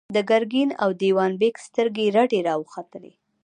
د ګرګين او دېوان بېګ سترګې رډې راختلې وې.